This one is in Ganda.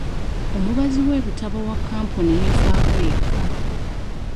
Omubazi w'ebitabo owa kampuni yeefaako yekka.